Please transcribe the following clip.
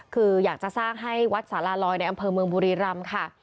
คืออยากจะสร้างให้วัดสาลาลอยในอำเภอเมืองบุรีรำค่ะ